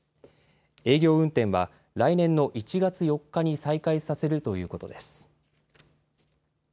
営業運転は来年の１月４日に再開させるということです。